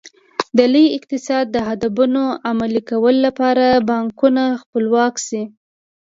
د لوی اقتصاد د اهدافو عملي کولو لپاره بانکونه خپلواک شي.